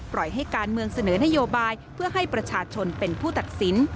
ให้การเมืองเสนอนโยบายเพื่อให้ประชาชนเป็นผู้ตัดสิน